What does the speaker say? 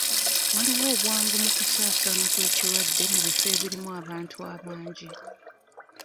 Waliwo obwangu mu kusaasaana kw'endwadde mu bifo ebirimu abantu abangi.